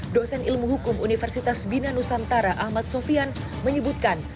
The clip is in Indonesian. dosen ilmu hukum universitas bina nusantara ahmad sofian menyebutkan